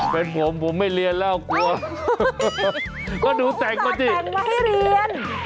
เป็นผมผมไม่เรียนแล้วกลัวก็ดูแต่งมาสิแต่งมาให้เรียน